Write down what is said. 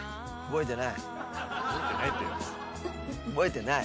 全然覚えてない。